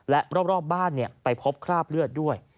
และรอบบ้านไปพบคราบเลือดด้วย